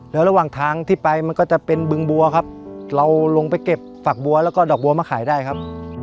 แล้วระหว่างทางที่ไปมันก็จะเป็นบึงบัวครับเราลงไปเก็บฝักบัวแล้วก็ดอกบัวมาขายได้ครับ